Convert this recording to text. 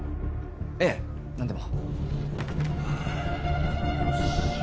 いえ何でも。